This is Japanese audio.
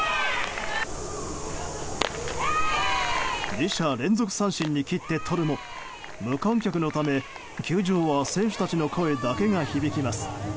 ２者連続三振に切ってとるも無観客のため球場は選手たちの声だけが響きます。